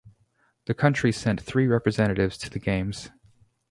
The country sent three representatives to the Games.